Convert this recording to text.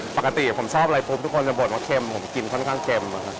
ปกติผมชอบอะไรทุกคนจะบ่นของเข็มก้นข้างเก็ม